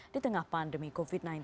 di tengah pandemi covid sembilan belas